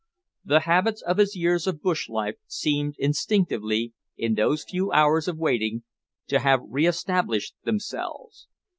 The habits of his years of bush life seemed instinctively, in those few hours of waiting, to have reestablished themselves.